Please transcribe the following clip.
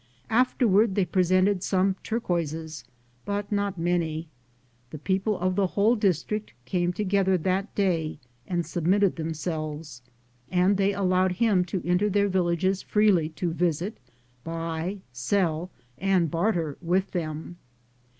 Afterward they presented some turquoises, but not many. The people of the whole district came to gether that day and submitted themselves, and they allowed him to enter their vil 84 ...Google THE JOURNEY OP CORONADO lages freely to visit, buy, Bell, and baiter with them.